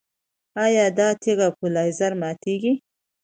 ایا دا تیږه په لیزر ماتیږي؟